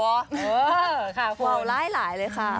โอ้ค่ะคุณว่าวหลายเลยค่ะ